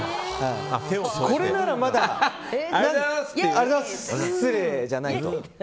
これならまだ失礼じゃないと。